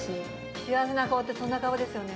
幸せな顔って、そんな顔ですよね。